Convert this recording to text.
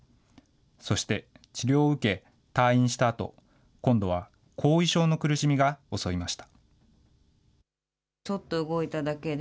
そして治療を受け、退院したあと、今度は後遺症の苦しみが襲いました。